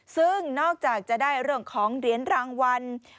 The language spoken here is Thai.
ซึ่งนอกจากจะได้เรื่องของเหรียญรางวัล